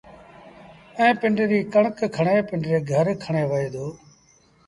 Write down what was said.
ائيٚݩ پنڊريٚ ڪڻڪ کڻي پنڊري گھر کڻيوهي دو